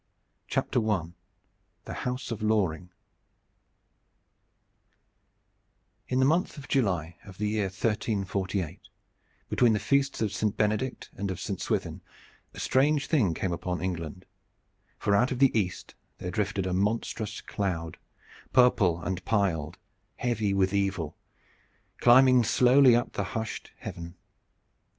"UNDERSHAW," November 30, 1905. I. THE HOUSE OF LORING In the month of July of the year 1348, between the feasts of St. Benedict and of St. Swithin, a strange thing came upon England, for out of the east there drifted a monstrous cloud, purple and piled, heavy with evil, climbing slowly up the hushed heaven.